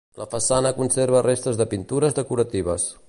La façana conserva restes de pintures decoratives.